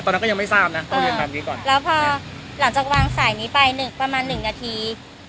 ตอนนั้นก็ยังไม่ทราบนะแล้วพอหลังจากวางสายนี้ไปประมาณหนึ่งนาที